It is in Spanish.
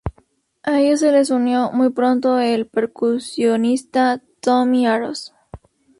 A ellos se les unió, muy pronto, el percusionista Tommy Aros.